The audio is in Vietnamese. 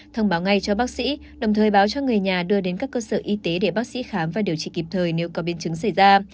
thông báo ngay cho bác sĩ đồng thời báo cho người nhà đưa đến các cơ sở y tế để bác sĩ khám và điều trị kịp thời nếu có biến chứng xảy ra